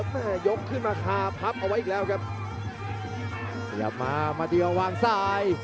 แม่ยกขึ้นมาคาพับเอาไว้อีกแล้วครับขยับมามาเดียววางซ้าย